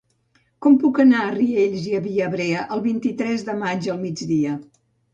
Com puc anar a Riells i Viabrea el vint-i-tres de maig al migdia?